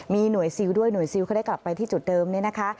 มีหน่วยซิลด้วยหน่วยซิลเขาได้กลับไปที่จุดเดิมเนี่ยนะคะ